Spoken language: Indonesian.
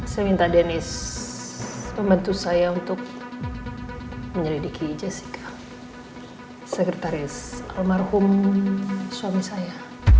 saya minta deniz membantu saya untuk menyelidiki jessica sekretaris almarhum suami saya